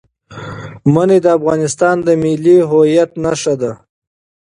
منی د افغانستان د ملي هویت نښه ده.